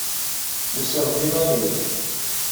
Usiɣ-d iman-iw.